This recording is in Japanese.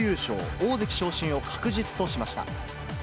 大関昇進を確実としました。